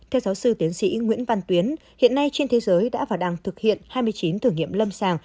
theo giáo sư tiến sĩ nguyễn văn tuyến hiện nay trên thế giới đã và đang thực hiện hai mươi chín thử nghiệm lâm sàng